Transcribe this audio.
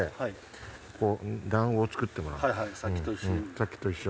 さっきと一緒。